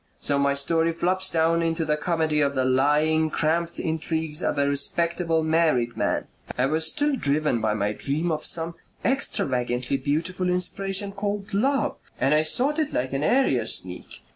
So my story flops down into the comedy of the lying, cramped intrigues of a respectable, married man...I was still driven by my dream of some extravagantly beautiful inspiration called love and I sought it like an area sneak.